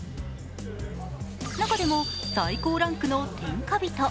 中でも最高ランクの天下人。